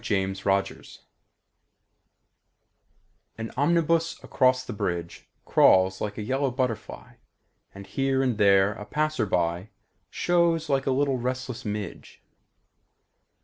SYMPHONY IN YELLOW AN omnibus across the bridge Crawls like a yellow butterfly And, here and there, a passer by Shows like a little restless midge.